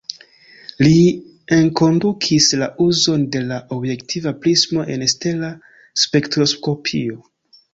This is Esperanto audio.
Li enkondukis la uzon de la objektiva prismo en stela spektroskopio.